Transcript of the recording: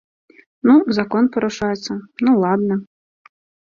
Ну, закон парушаецца, ну ладна.